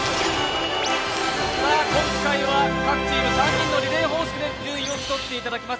今回は各チーム３人のリレー方式で順位を競っていただきます。